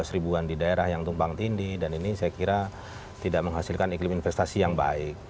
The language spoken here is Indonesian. seratus ribuan di daerah yang tumpang tindi dan ini saya kira tidak menghasilkan iklim investasi yang baik